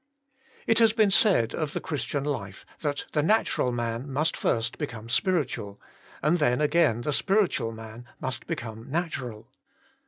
It has been said of the Christian life that the natural man must first become spiritual, and then again the spiritual man must be come natural.